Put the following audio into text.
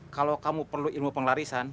kalau kamu perlu ilmu pengelarisan